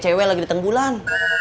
kayak cewek lagi di tengbulan